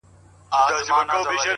ه یاره ولي چوپ یې مخکي داسي نه وې ـ